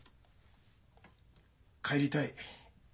「帰りたい」